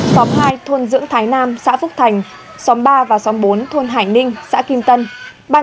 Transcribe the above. xóm hai thôn dưỡng thái nam xã phước thành xóm ba và xóm bốn thôn hải ninh xã kim tân